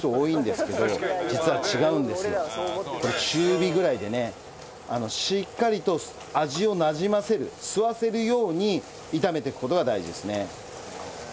中火ぐらいでねしっかりと味をなじませる吸わせるように炒めていく事が大事ですね。